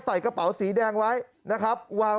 ใส่กระเป๋าสีแดงไว้นะครับ